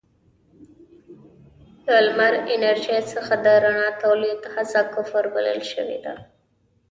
له لمر انرژۍ څخه د رڼا تولید هڅه کفر بلل شوې ده.